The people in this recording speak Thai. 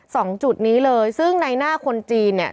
สองจุดนี้เลยซึ่งในหน้าคนจีนเนี่ย